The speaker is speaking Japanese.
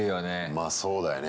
まあ、そうだよね。